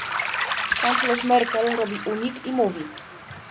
Kanclerz Merkel robi unik i mówi